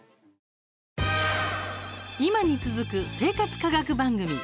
今に続く生活科学番組。